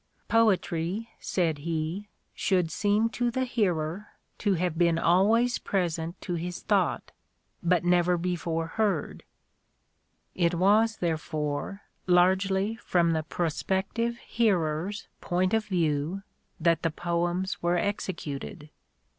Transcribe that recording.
Poetry," said he, "should seem to the hearer to have been always present to his thought, but never before heard :" it was therefore largely from the prospective hearer's point of view that the poems were executed.